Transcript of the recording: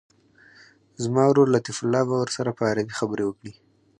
زما ورور لطیف الله به ورسره په عربي خبرې وکړي.